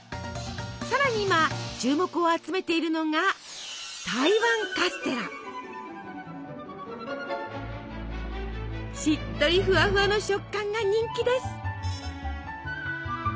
更に今注目を集めているのがしっとりフワフワの食感が人気です。